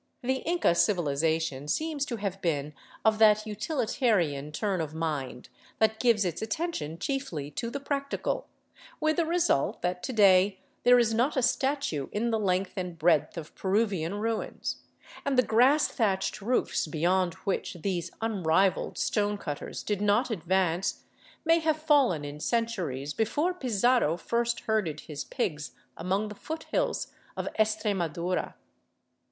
The Inca civilization seems to have been of that utilitarian turn of mind that gives its attention chiefly to the practical, with the result that to day there is not a statue in the length and breadth of Peruvian ruins ; and the grass thatched roofs beyond which these unrivaled stone cutters did not advance may have fallen in centuries before Pizarro first herded his pigs among the foothills of Estremadura.